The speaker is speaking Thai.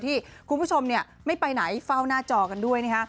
ที่คุณผู้ชมไม่ไปไหนเฝ้าหน้าจอกันด้วยนะฮะ